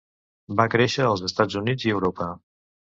Va créixer als Estats Units i Europa.